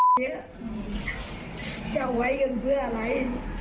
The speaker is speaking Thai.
จะเอาไว้กันเพื่ออะไร